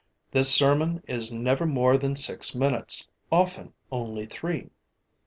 This sermon is never more than six minutes, often only three.